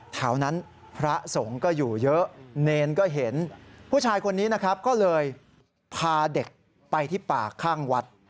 แถวนั้นพระสงฆ์ก็อยู่เยอะเนรก็เห็นผู้ชายคนนี้นะครับก็เลยพาเด็กไปที่ป่าข้างวัด